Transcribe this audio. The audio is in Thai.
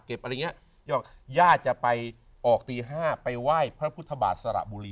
เก็บอะไรเงี้ยย่าจะไปออกตีห้าไปไหว้พระพุทธบาทสระบุรี